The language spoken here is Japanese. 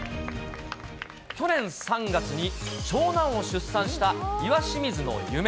去年３月に長男を出産した岩清水の夢。